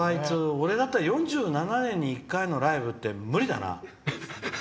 俺だったら４７年に１回のライブって無理だな。